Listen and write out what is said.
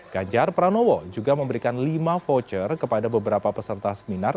ganjar pranowo juga memberikan lima voucher kepada beberapa peserta seminar